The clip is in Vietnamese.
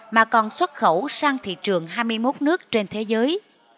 mà còn xuất khẩu sang thị trường hai mươi một nước trên thế giới